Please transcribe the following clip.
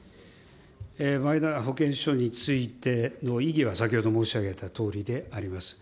マイナ保険証についての意義は、先ほど申し上げたとおりであります。